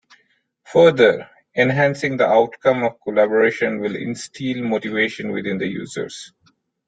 Further, enhancing the outcome of collaboration will instill motivation within the users.